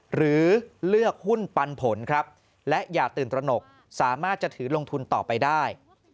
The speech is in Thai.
หรือเลือกหุ้นปันผลครับและอย่าตื่นตระหนกสามารถจะถือลงทุนต่อไปได้